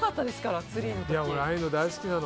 ああいうの大好きなの。